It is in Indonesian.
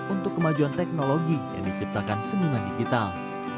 untuk kemajuan teknologi yang diciptakan seniman digital